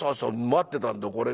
待ってたんだこれ。